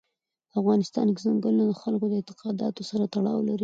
په افغانستان کې ځنګلونه د خلکو د اعتقاداتو سره تړاو لري.